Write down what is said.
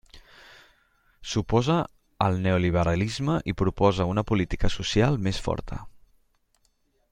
S'oposa al neoliberalisme i proposa una política social més forta.